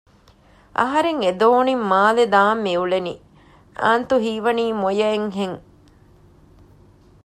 އަހަރެން އެދޯނިން މާލެ ދާން މިއުޅެނީ؟ އާންތު ހީވަނީ މޮޔައެއް ހެން